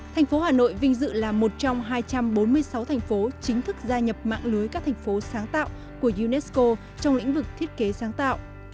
thành phố hà nội vinh dự là một trong hai trăm bốn mươi sáu thành phố chính thức gia nhập mạng lưới các thành phố sáng tạo của unesco trong lĩnh vực thiết kế sáng tạo